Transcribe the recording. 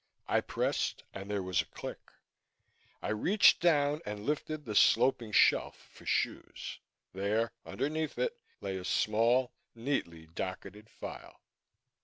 I pressed and there was a click. I reached down and lifted the sloping shelf for shoes. There, underneath it, lay a small, neatly docketed file.